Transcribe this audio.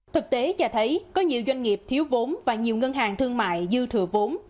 thực tế cho thấy có nhiều doanh nghiệp thiếu vốn và nhiều ngân hàng thương mại dư thừa vốn